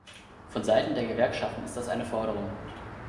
Von Seiten der Gewerkschaften ist das eine Forderung.